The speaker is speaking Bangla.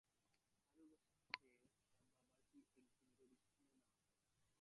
হারু ঘোষের চেয়ে তাহার বাবা কি একদিন গরিব ছিল না?